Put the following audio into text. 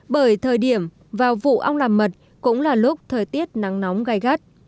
bởi thời điểm vào vụ ong làm mật cũng là lúc thời tiết nắng nóng gai gắt